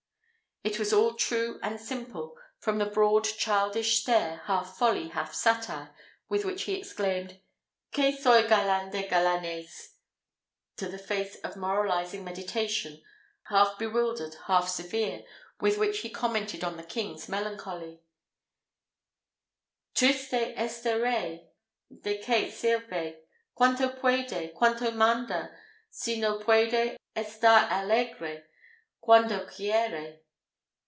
It was all true and simple, from the broad childish stare, half folly, half satire, with which he exclaimed, "Que soy galan de galanes," to the face of moralizing meditation, half bewildered, half severe, with which he commented on the king's melancholy: "Triste està Rey, de què sirve Quanto puede, quanto manda Si no puede, estàr alegre Quando quiere?"